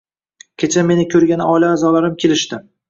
Kecha meni ko`rgani oila a`zolarim kelishdi